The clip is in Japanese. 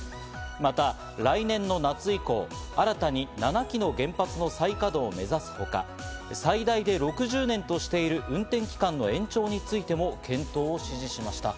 また来年の夏以降、新たに７基の原発の再稼働を目指すほか、最大で６０年としている運転期間の延長についても検討を指示しました。